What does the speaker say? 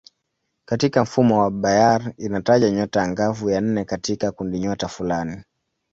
Katika mfumo wa Bayer inataja nyota angavu ya nne katika kundinyota fulani.